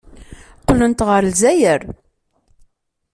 Qqlent ɣer Lezzayer.